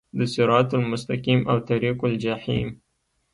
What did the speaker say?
د صراط المستقیم او طریق الجحیم